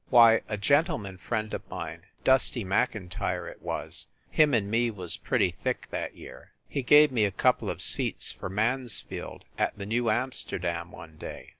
Why, a gentleman friend of mine, Dusty Mclntyre, it was, him and me was pretty thick that year, he gave me a couple of seats for Mansfield at the New Amsterdam one day.